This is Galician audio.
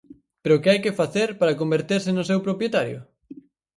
Pero que hai que facer para converterse no seu propietario?